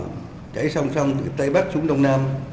sông hậu chảy song song từ tây bắc xuống đông nam